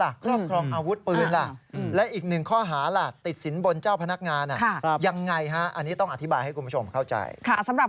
สำหรับข้อหาติดศิลป์บนนะครับ